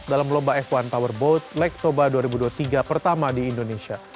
dalam lomba f satu powerboat lake toba dua ribu dua puluh tiga pertama di indonesia